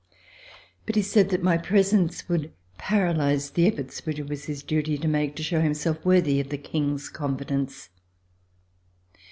But he said that my presence would paralyze the efforts which it was his duty to make to show himself worthy of the King's con fidence.